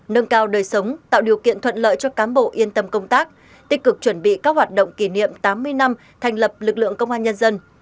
nâng cao đời sống tạo điều kiện thuận lợi cho cám bộ yên tâm công tác tích cực chuẩn bị các hoạt động kỷ niệm tám mươi năm thành lập lực lượng công an nhân dân